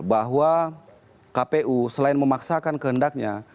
bahwa kpu selain memaksakan kehendaknya